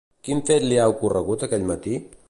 Quin fet li ha ocorregut aquell matí?